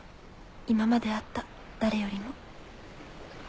今まで会った誰よりも。